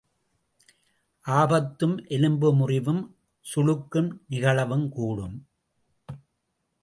ஆபத்தும், எலும்பு முறிவும், சுளுக்கும் நிகழவும்கூடும்.